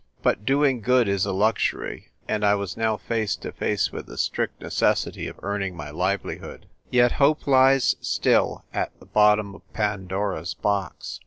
But doing good is a luxury, and I was now face to face with the strict necessity of earning my livelihood. Yet hope lies still at the bottom of Pandora's box.